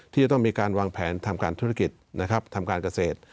ที่จะต้องมีการวางแผนทำการธุรกิจนะครับทำการเกษตร